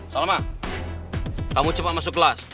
salma kamu cepat masuk kelas